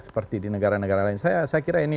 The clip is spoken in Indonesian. seperti di negara negara lain saya kira ini